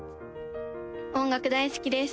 音楽大好きです！